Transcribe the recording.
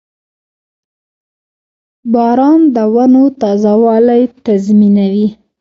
• باران د ونو تازهوالی تضمینوي.